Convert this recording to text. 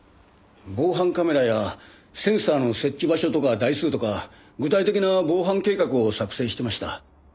防犯カメラやセンサーの設置場所とか台数とか具体的な防犯計画を作成してました。